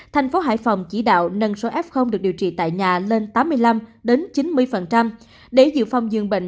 thành phố hải phòng chỉ đạo nâng số f được điều trị tại nhà lên tám mươi năm chín mươi để dự phòng dương bệnh